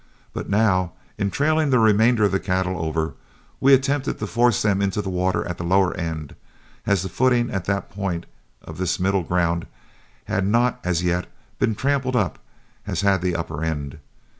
But now, in trailing the remainder of the cattle over, we attempted to force them into the water at the lower end, as the footing at that point of this middle ground had not, as yet, been trampled up as had the upper end.